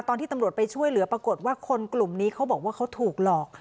ตอนที่ตำรวจไปช่วยเหลือปรากฏว่าคนกลุ่มนี้เขาบอกว่าเขาถูกหลอก